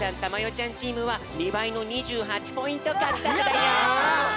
ちゃんチームは２ばいの２８ポイントかくとくだよ。